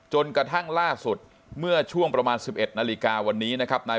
จนกระทั่งล่าสุดเมื่อช่วงประมาณ๑๑นาฬิกาวันนี้นะครับ